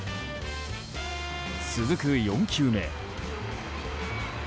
続く４球目。